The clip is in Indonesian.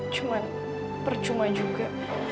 cuman percuma juga